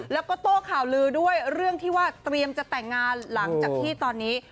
แล้วก็โต้ข่าวลือด้วยเรื่องที่ว่าเตรียมจะแต่งงานหลังจากที่ตอนนี้